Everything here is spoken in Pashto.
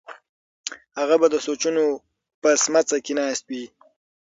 هغه به د سوچونو په سمڅه کې ناست وي.